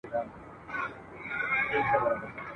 یا دي نه وای شاعر کړی یا دي نه وای بینا کړی !.